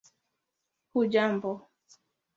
hujambo